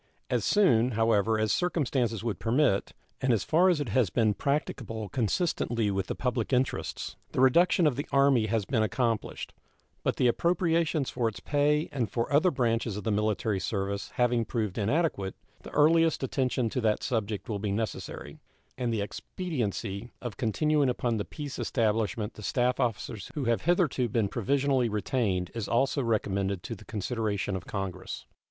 As soon, however, as circumstances would permit, and as far as it has been practicable consistently with the public interests, the reduction of the Army has been accomplished; but the appropriations for its pay and for other branches of the military service having proved inadequate, the earliest attention to that subject will be necessary; and the expediency of continuing upon the peace establishment the staff officers who have hitherto been provisionally retained is also recommended to the consideration of Congress.